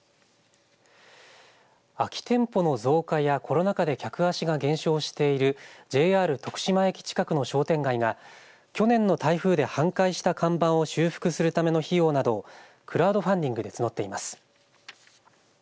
空き店舗の増加や、コロナ禍で客足が減少しているＪＲ徳島駅近くの商店街が去年の台風で半壊した看板を修復するための費用などをクラウドファンディングで募っています。